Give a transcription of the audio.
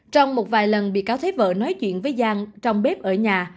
trong một vài lần bị cáo thấy vợ nói chuyện với giang trong bếp ở nhà